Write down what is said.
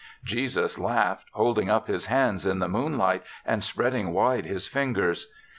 Jesus laughed, holding up his hands in the moonlight and spread ing wide his fingers.